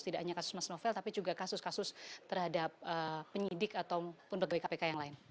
tidak hanya kasus mas novel tapi juga kasus kasus terhadap penyidik ataupun pegawai kpk yang lain